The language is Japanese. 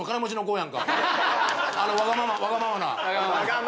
わがままな。